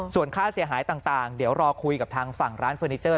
ส่วนค่าเสียหายต่างเดี๋ยวรอคุยกับทางฝั่งร้านเฟอร์นิเจอร์